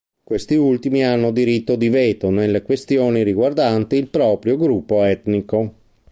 Questi ultimi hanno diritto di veto nelle questioni riguardanti il proprio gruppo etnico.